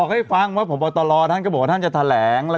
เขายังไม่ได้ชี้ชัด